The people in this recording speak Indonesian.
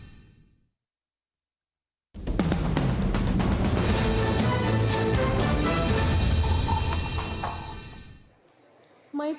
terima kasih banyak